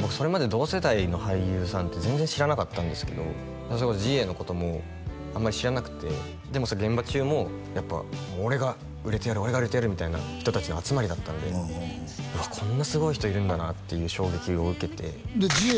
僕それまで同世代の俳優さんって全然知らなかったんですけどそれこそ時英のこともあんまり知らなくてでも現場中もやっぱ「俺が売れてやる俺が売れてやる」みたいな人達の集まりだったんでこんなすごい人いるんだなっていう衝撃を受けてで時英